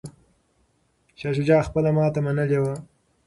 شاه شجاع خپله ماته منلې وه.